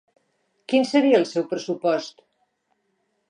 Quin seria el seu pressupost?